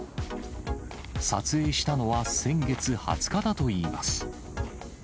撮影したのは先月２０日だといいます。